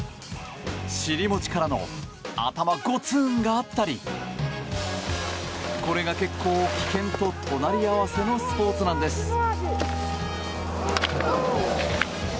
尻餅からの頭ゴツンがあったりこれが結構、危険と隣り合わせのスポーツなんです。